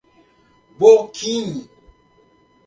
Boquim